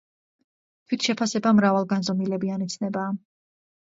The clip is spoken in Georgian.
თვითშეფასება მრავალგანზომილებიანი ცნებაა.